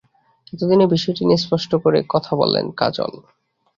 এত দিনে বিষয়টি নিয়ে স্পষ্ট করে কথা বললেন কাজল।